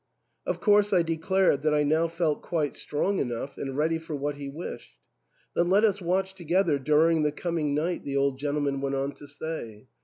" Of course I declared that I now felt quite strong enough, and ready for what he wished. " Then let us watch together during the coming night," the old gen tleman went on to say.